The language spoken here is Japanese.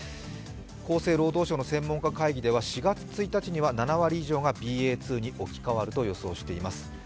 厚生労働省の専門会議では４月１日には７割以上がＢＡ．２に置き換わると予想しています。